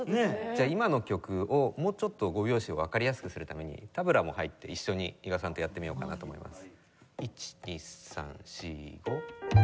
じゃあ今の曲をもうちょっと５拍子をわかりやすくするためにタブラも入って一緒に伊賀さんとやってみようかなと思います。